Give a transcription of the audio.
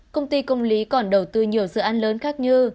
công ty công lý còn đầu tư nhiều dự án lớn khác như